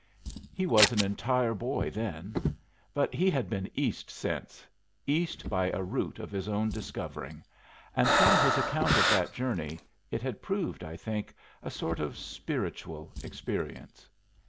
He was an entire boy then. But he had been East since, East by a route of his own discovering and from his account of that journey it had proved, I think, a sort of spiritual experience.